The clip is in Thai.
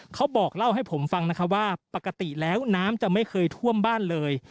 เขาบอกเล่าให้ผมฟังนะคะว่าปกติแล้วน้ำจะไม่เคยท่วมบ้านเลย